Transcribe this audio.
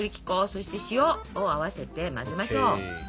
そして塩を合わせて混ぜましょう。